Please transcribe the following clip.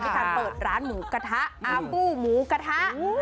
การเปิดร้านหมูกระทะอาฟู้หมูกระทะ